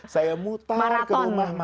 saya mutar ke rumah mana